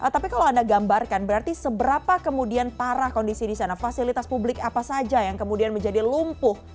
tapi kalau anda gambarkan berarti seberapa kemudian parah kondisi di sana fasilitas publik apa saja yang kemudian menjadi lumpuh